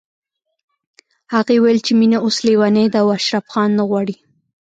هغې ويل چې مينه اوس ليونۍ ده او اشرف خان نه غواړي